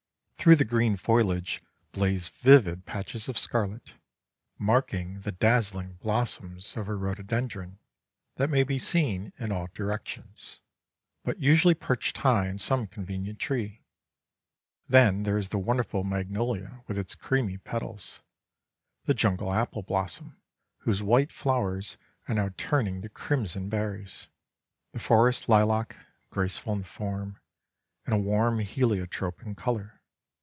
Through the green foliage blaze vivid patches of scarlet, marking the dazzling blossoms of a rhododendron that may be seen in all directions, but usually perched high on some convenient tree. Then there is the wonderful magnolia with its creamy petals; the jungle apple blossom, whose white flowers are now turning to crimson berries; the forest lilac, graceful in form, and a warm heliotrope in colour.